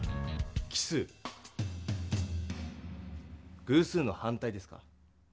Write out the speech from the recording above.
奇数？偶数の反対ですか。